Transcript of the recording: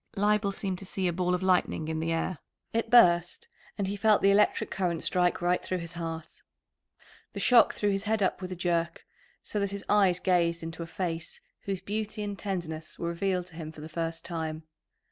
Leibel seemed to see a ball of lightning in the air; it burst, and he felt the electric current strike right through his heart. The shock threw his head up with a jerk, so that his eyes gazed into a face whose beauty and tenderness were revealed to him for the first time.